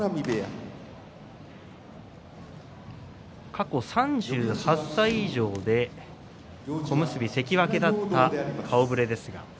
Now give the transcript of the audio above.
過去３８歳以上で小結関脇だった顔ぶれです。